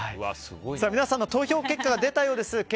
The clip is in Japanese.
皆さんの投票結果が出たようです。